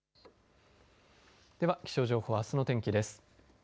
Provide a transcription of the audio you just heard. では、気象情報あすの天気です。